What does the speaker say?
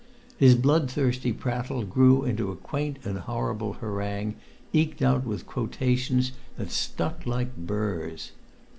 His bloodthirsty prattle grew into a quaint and horrible harangue eked out with quotations that stuck like burs.